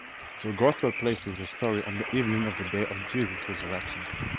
The gospel places the story on the evening of the day of Jesus' resurrection.